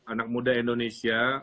anak muda indonesia